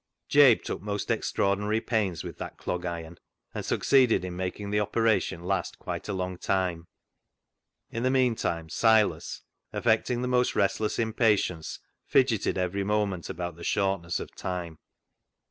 Jabe took most extraordinary pains with that clog iron, and succeeded in making the opera tion last quite a long time. In the meantime, Silas, affecting the most restless impatience, fidgeted every moment about the shortness of time.